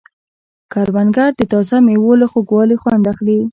کروندګر د تازه مېوو له خوږوالي خوند اخلي